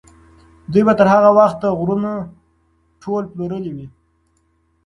دوی به تر هغه وخته غرونه ټول پلورلي وي.